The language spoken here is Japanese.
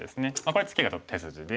これツケが手筋で。